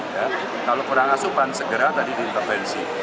kalau kurang asupan segera tadi diintervensi